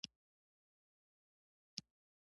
هر چا چې دا ظلم کړی ډېر بد یې کړي دي.